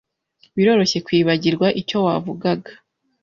“Biroroshye kwibagirwa icyo wavugaga